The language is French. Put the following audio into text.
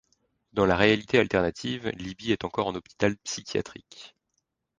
Dans la réalité alternative, Libby est encore en hôpital psychiatrique.